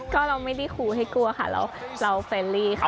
ก็เราไม่ได้ครูให้กลัวค่ะเราเฟรลี่ค่ะ